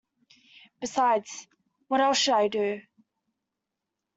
Besides, what else should I do?